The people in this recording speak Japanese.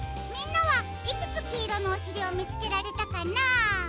みんなはいくつきいろのおしりをみつけられたかな？